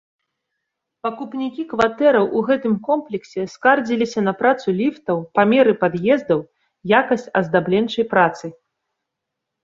Пакупнікі кватэраў у гэтым комплексе скардзіліся на працу ліфтаў, памеры пад'ездаў, якасць аздабленчай працы.